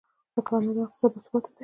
د کاناډا اقتصاد باثباته دی.